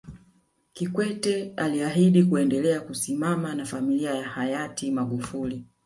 Kikwete aliahidi kuendelea kusimama na familia ya Hayati Magufuli